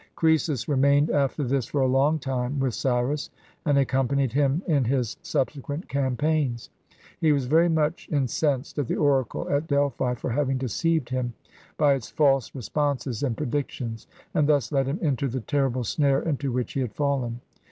Croesus remained after this for a long time with Cyrus, and accompanied him in his subsequent cam paigns. He was very much incensed at the oracle at Delphi for having deceived him by its false responses and predictions, and thus led him into the terrible snare into which he had fallen.